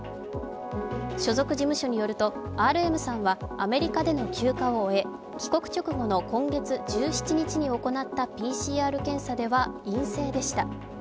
所属事務所によるとＲＭさんはアメリカでの休暇を終え帰国直後の今月１７日に行ったＰＣＲ検査では陰性でした。